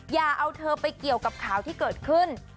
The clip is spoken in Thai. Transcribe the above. อย่าเอาเธอไปเกี่ยวกับข่าวที่เกิดขึ้น